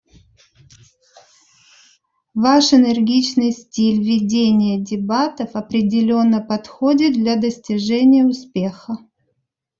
Ваш энергичный стиль ведения дебатов определенно подходит для достижения успеха.